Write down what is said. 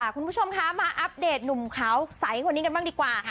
คุณผู้ชมค่ะมาอัปเดตหนุ่มเขาสายให้กว่านี้กันบ้างดีกว่า